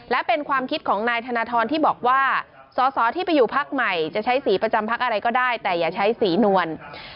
และเป็นความคิดของนายธนทรที่บอกว่าสอสอที่ไปอยู่พักใหม่จะใช้สีประจำพักอะไรก็ได้แต่อย่าใช้สีนวล